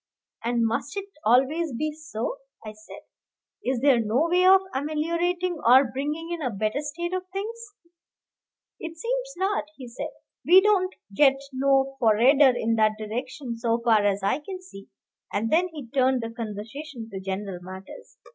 "And must it always be so?" I said. "Is there no way of ameliorating or bringing in a better state of things?" "It seems not," he said; "we don't get 'no forrarder' in that direction so far as I can see." And then he turned the conversation to general matters.